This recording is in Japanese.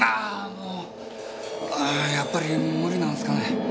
やっぱり無理なんすかね。